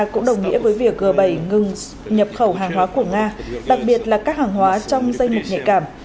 cũng đồng nghĩa với việc g bảy ngừng nhập khẩu hàng hóa của nga đặc biệt là các hàng hóa trong danh mục nhạy cảm